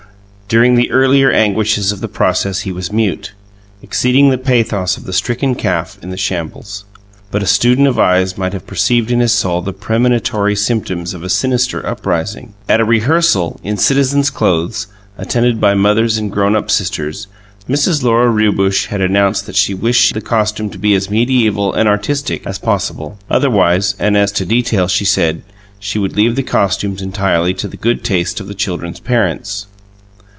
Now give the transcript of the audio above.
During the earlier anguishes of the process he was mute, exceeding the pathos of the stricken calf in the shambles; but a student of eyes might have perceived in his soul the premonitory symptoms of a sinister uprising. At a rehearsal (in citizens' clothes) attended by mothers and grown up sisters, Mrs. Lora Rewbush had announced that she wished the costuming to be "as medieval and artistic as possible." Otherwise, and as to details, she said, she would leave the costumes entirely to the good taste of the children's parents.